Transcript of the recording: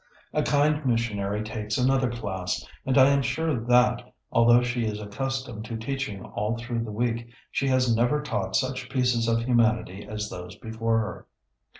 A kind missionary takes another class, and I am sure that, although she is accustomed to teaching all through the week, she has never taught such pieces of humanity as those before her.